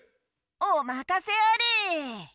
おまかせあれ！